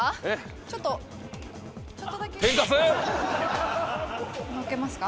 ちょっとちょっとだけ。載っけますか？